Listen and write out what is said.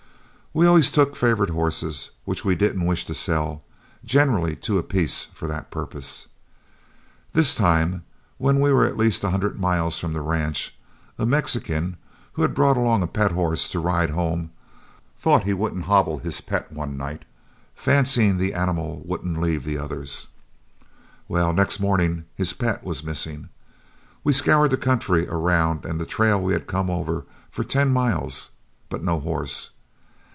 We always took favorite horses which we didn't wish to sell, generally two apiece for that purpose. This time, when we were at least a hundred miles from the ranch, a Mexican, who had brought along a pet horse to ride home, thought he wouldn't hobble this pet one night, fancying the animal wouldn't leave the others. Well, next morning his pet was missing. We scoured the country around and the trail we had come over for ten miles, but no horse.